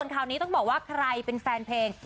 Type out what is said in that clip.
คราวนี้ต้องบอกว่าใครเป็นแฟนเพลง